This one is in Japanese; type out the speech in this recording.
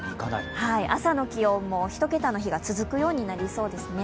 朝の気温も１桁の日が続くようになりそうですね。